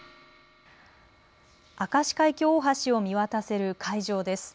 明石海峡大橋を見渡せる海上です。